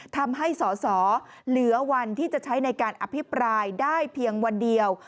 ทำให้สอสอเหลือวันที่จะใช้ในการอภิปรายได้เพียงวันเดียว